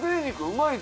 うまい！